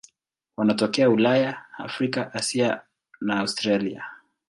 Wanatokea Ulaya, Afrika, Asia na Australia.